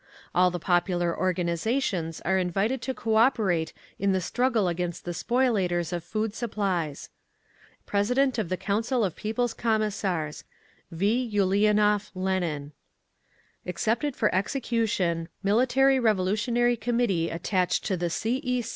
All the popular organisations are invited to cooperate in the struggle against the spoliators of food supplies. President of the Council of People's Commissaries. V. ULIANOV (LENIN). Accepted for execution, _Military Revolutionary Committee attached to the C. E.